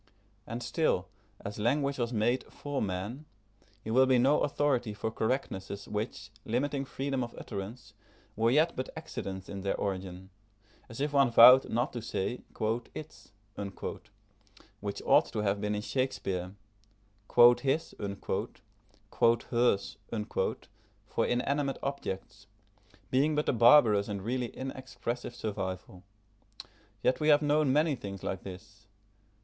And still, as language was made for man, he will be no authority for correctnesses which, limiting freedom of utterance, were yet but accidents in their origin; as if one vowed not to say "its," which ought to have been in Shakespeare; "his" "hers," for inanimate objects, being but a barbarous and really inexpressive survival. Yet we have known many things like this.